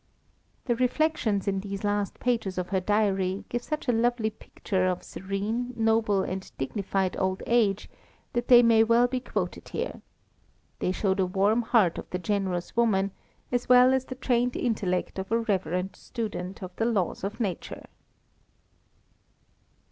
The reflections in these last pages of her diary give such a lovely picture of serene, noble, and dignified old age that they may well be quoted here. They show the warm heart of the generous woman, as well as the trained intellect of a reverent student of the laws of nature.